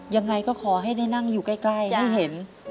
ยังไงก็ขอให้ได้นั่งอยู่ใกล้ได้เห็น